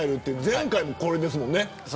前回もこれですもんね。